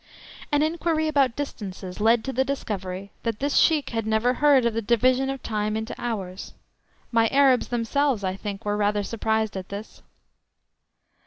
An inquiry about distances led to the discovery that this Sheik had never heard of the division of time into hours; my Arabs themselves, I think, were rather surprised at this.